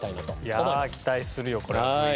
いや期待するよこれは。